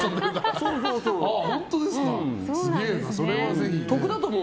そうそう。